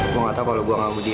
gue gak tau kalau gue ganggu dia